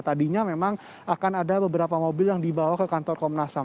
tadinya memang akan ada beberapa mobil yang dibawa ke kantor komnas ham